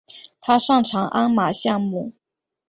他擅长鞍马项目。